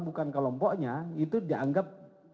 bukan kelompoknya itu dianggap